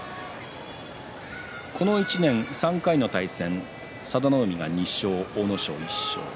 この１年、３回の対戦佐田の海が２勝、阿武咲が１勝。